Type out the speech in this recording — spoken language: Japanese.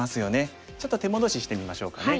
ちょっと手戻ししてみましょうかね。